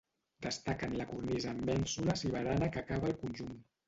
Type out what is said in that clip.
Destaquen la cornisa amb mènsules i barana que acaba el conjunt.